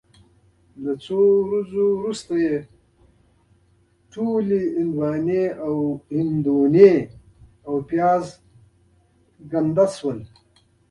د څو ورځو وروسته یې ټولې هندواڼې او پیاز ګنده شول.